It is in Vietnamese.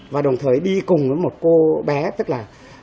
và đồng thời đi cùng với một cô bé tức là